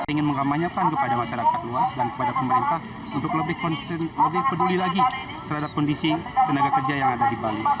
ingin mengkampanyekan kepada masyarakat luas dan kepada pemerintah untuk lebih peduli lagi terhadap kondisi tenaga kerja yang ada di bali